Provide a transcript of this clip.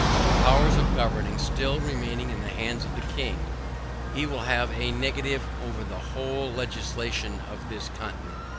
The powers of governing still remaining in the hands of the king, he will have a negative over the whole legislation of this continent.